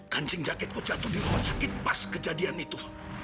kancing jaketku jatuh di rumah sakit pas kejadian itu